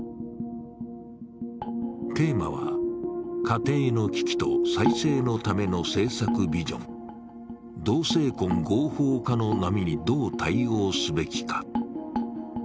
テーマは、「家庭の危機と再生のための政策ビジョン同性婚合法化の波にどう対応すべきか」